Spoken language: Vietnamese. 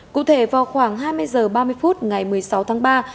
cụ thể vào khoảng hai mươi h ba mươi phút ngày một mươi sáu tháng ba